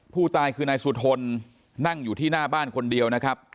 ผู้ตายคือนายสุทนนั่งอยู่ที่หน้าบ้านคนเดียวนะครับ